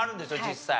実際。